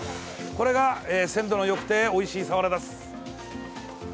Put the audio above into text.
これが鮮度のよくておいしいサワラです。